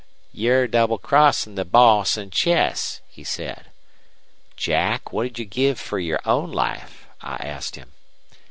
"'You're double crossin' the boss an' Chess,' he said. "'Jack, what 'd you give fer your own life?' I asked him.